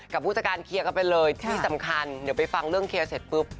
ผู้จัดการเคลียร์กันไปเลยที่สำคัญเดี๋ยวไปฟังเรื่องเคลียร์เสร็จปุ๊บ